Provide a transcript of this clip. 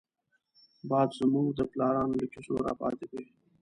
باد زمونږ د پلارانو له کيسو راپاتې دی